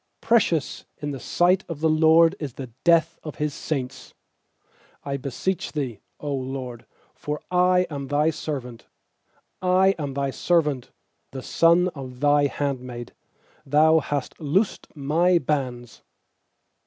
15Precious in the sight of the LORD Is the death of His saints. 16I beseech Thee, 0 LORD, for I am Thy servant; I am Thy servant, the son of Thy handmaid; Thou hast loosed my bands.